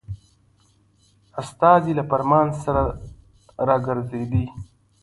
استازی له فرمان سره را وګرځېدی.